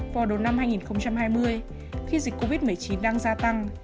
vào đầu năm hai nghìn hai mươi khi dịch covid một mươi chín đang gia tăng